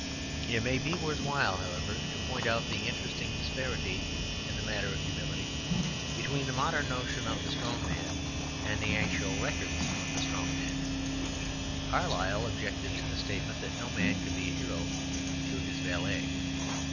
It may be worth while, however, to point out the interesting disparity in the matter of humility between the modern notion of the strong man and the actual records of strong men. Carlyle objected to the statement that no man could be a hero to his valet.